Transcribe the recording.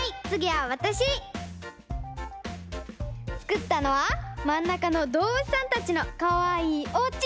つくったのはまんなかのどうぶつさんたちのかわいいおうち！